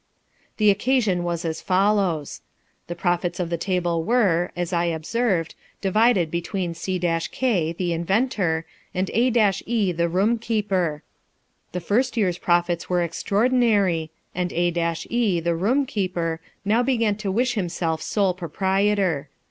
The occasion was as follows. The profits of the table were, as I observed, divided between C k the inventor, and A e the room keeper. The first year's profits were extraordinary, and A e, the room keeper, now began to wish himself sole proprietor.